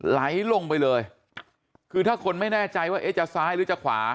ไหลลงไปเลยคือถ้าคนไม่แน่ใจว่าเอ๊ะจะซ้ายหรือจะขวา